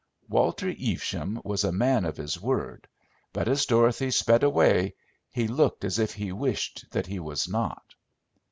Walter Evesham was a man of his word, but as Dorothy sped away, he looked as if he wished that he was not.